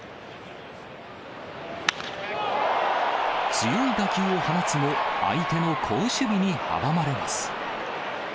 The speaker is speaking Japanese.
強い打球を放つも、相手の好守備に阻まれます。